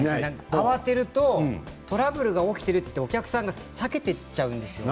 慌てるとトラブルが起きているってお客さんがはけていっちゃうんですよ。